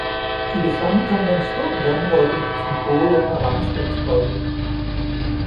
I det samme kom der en stor vandrotte, som boede under rendestensbrættet.